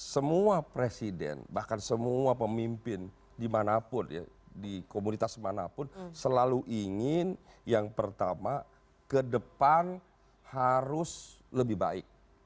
semua presiden bahkan semua pemimpin dimanapun ya di komunitas manapun selalu ingin yang pertama ke depan harus lebih baik